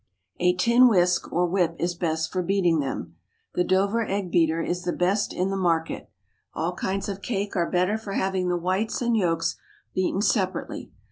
A tin whisk or whip is best for beating them. The "Dover Egg beater" is the best in the market. All kinds of cake are better for having the whites and yolks beaten separately.